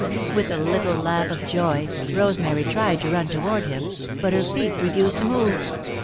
With a little laugh of joy, Rosemary tried to run toward him, but her feet refused to move.